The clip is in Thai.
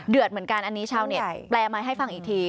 เหมือนกันอันนี้ชาวเน็ตแปลมาให้ฟังอีกที